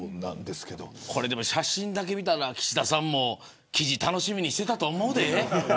写真だけ見たら岸田さんも記事を楽しみにしていたと思うで。